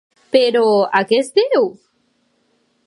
Però a què es deu?